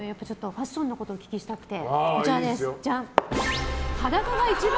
ファッションのことをお聞きしたくて。